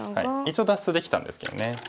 一応脱出できたんですけどね。